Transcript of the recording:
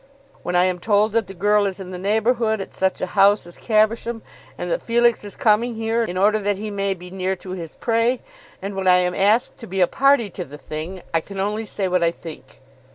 When I am told that the girl is in the neighbourhood, at such a house as Caversham, and that Felix is coming here in order that he may be near to his prey, and when I am asked to be a party to the thing, I can only say what I think.